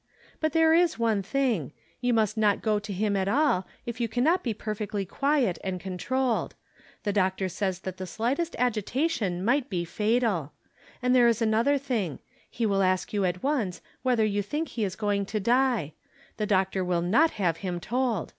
But there is one thing : you must not go to him at aU, if you can not be per fectly quiet and controlled. The doctor says that the slightest agitation might be fatal. And there is another thing : he will ask you at once whether you think he is going to die. The doc tor will not have him told.